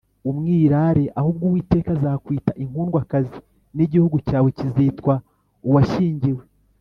“Umwirare”, ahubwo Uwiteka azakwita “Inkundwakazi,” n’igihugu cyawe kizitwa ‘‘Uwashyingiwe.